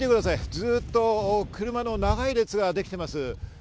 ずっと車の長い列ができています。